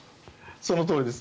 そのとおりです。